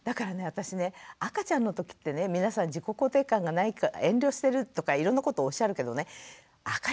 私ね赤ちゃんの時ってね皆さん自己肯定感がないから遠慮してるとかいろんなことおっしゃるけどねだって